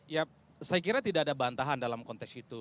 ya saya kira tidak ada bantahan dalam konteks itu